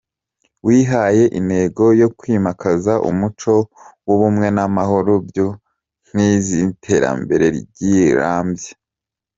Wihaye intego yo ‘kwimakaza umuco w’ubumwe n’amahoro, byo nkingi z’iterambere rirambye’.